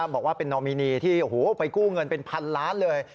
บอกว่าเป็นนอมินีที่ไปกู้เงินเป็นพันล้านเลย